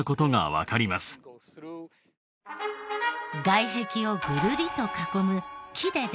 外壁をぐるりと囲む木でできた庇。